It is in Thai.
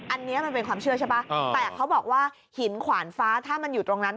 อันนี้มันเป็นความเชื่อใช่ป่ะแต่เขาบอกว่าหินขวานฟ้าถ้ามันอยู่ตรงนั้น